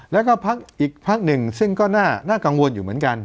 แล้วก็พักอีกพักหนึ่งซึ่งก็น่ากังวลอยู่เหมือนกัน